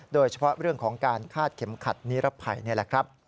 โดยเฉพาะเรื่องของการคาดเข็มขัดนิรภัยนี่แหละครับ